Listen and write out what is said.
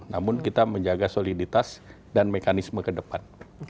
namun kita menjaga soliditas dan mekanisme ke depan